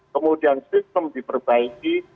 kemudian sistem diperbaiki